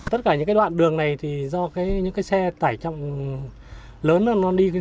tất cả những đoạn đường này thì do những xe tải trọng lớn nó đi qua